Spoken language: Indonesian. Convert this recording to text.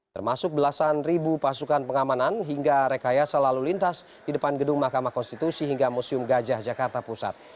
termasuk belasan ribu pasukan pengamanan hingga rekayasa lalu lintas di depan gedung mahkamah konstitusi hingga museum gajah jakarta pusat